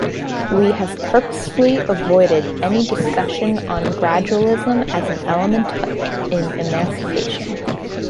We have purposely avoided any discussion on gradualism as an element in emancipation.